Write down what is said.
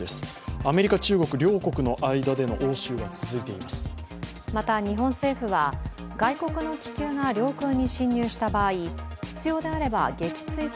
アメリカ、中国両国の間での応酬が続いています。